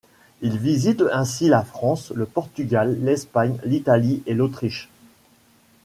Il visite ainsi la France, le Portugal, l’Espagne, l’Italie et l’Autriche.